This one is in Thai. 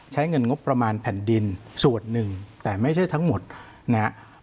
ใช้เงินงบประมาณแผ่นดินส่วนหนึ่งแต่ไม่ใช่ทั้งหมดนะครับ